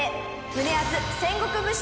胸アツ戦国武将